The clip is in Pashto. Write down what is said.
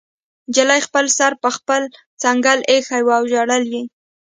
نجلۍ خپل سر په خپله څنګله ایښی و او ژړل یې